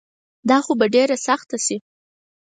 دا خو به ډیره سخته شي